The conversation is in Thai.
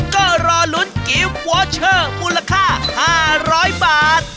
ก็รอลุ้นกิฟต์วอเชอร์มูลค่า๕๐๐บาท